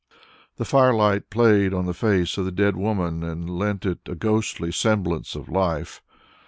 The fire light played on the face of the dead woman and lent it a ghostly semblance of life.